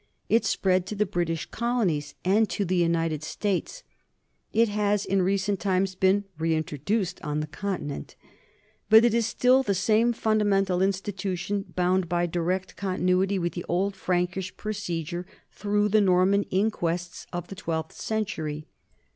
It spread to the British colonies and to the United States; it has in recent times been reintroduced on the Continent. But it is still the same fundamental institution, bound by direct continu ity with the old Prankish procedure through the Nor man inquests of the twelfth century.